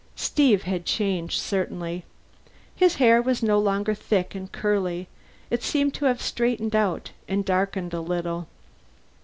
Steve had changed, certainly. His hair was no longer thick and curly; it seemed to have straightened out, and darkened a little.